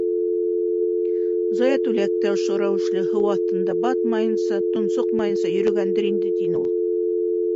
— Заятүләк тә ошо рәүешле һыу аҫтында батмайынса, тонсоҡмайынса йөрөгәндер инде, - тине ул.